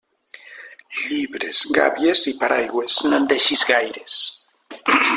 Llibres, gàbies i paraigües, no en deixis gaires.